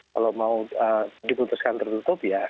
kalau mau diputuskan tertutup ya